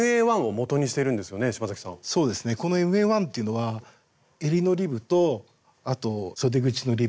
このＭＡ−１というのはえりのリブとあとそで口のリブ。